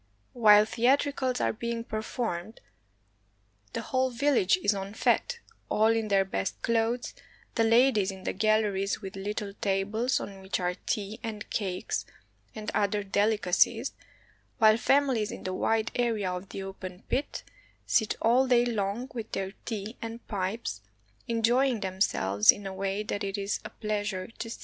While theatricals are being performed, the whole vil lage is en fete, all in their best clothes, the ladies in the galleries with httle tables on which are tea and cakes and other delicacies, while famihes in the wide area of the open pit sit all day long with their tea and pipes, enjoying themselves in a way that it is a pleasure to see.